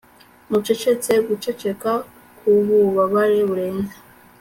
Mucecetse guceceka kububabare burenze